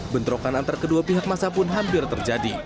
bentrokan antar kedua pihak masa pun hampir terjadi